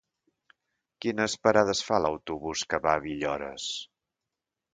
Quines parades fa l'autobús que va a Villores?